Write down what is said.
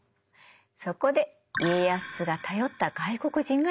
そこで家康が頼った外国人がいるの。